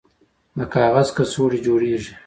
د کاغذ کڅوړې جوړیږي؟